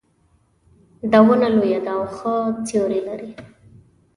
دا ونه لویه ده او ښه سیوري لري